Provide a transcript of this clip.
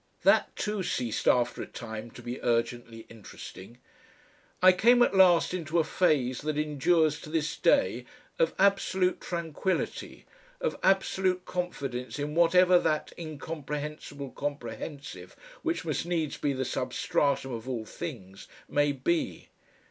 That, too, ceased after a time to be urgently interesting. I came at last into a phase that endures to this day, of absolute tranquillity, of absolute confidence in whatever that Incomprehensible Comprehensive which must needs be the substratum of all things, may be.